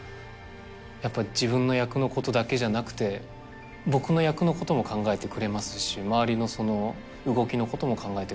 やっぱ自分の役のことだけじゃなくて僕の役のことも考えてくれますし周りの動きのことも考えてくれますし